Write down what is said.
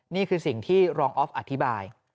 นี่คือสิ่งที่รองออฟอธิบาย